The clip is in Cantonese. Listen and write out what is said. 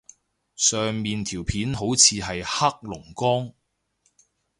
上面條片好似係黑龍江